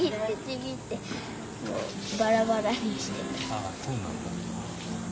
あっそうなんだ。